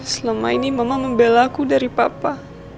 selama ini mama membela aku dari papa